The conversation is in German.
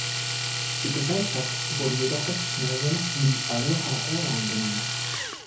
Die Gesellschaft wurde jedoch recht schnell nur noch „The Aloha Airline“ genannt.